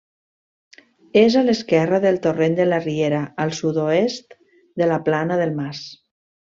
És a l'esquerra del torrent de la Riera, al sud-oest de la Plana del Mas.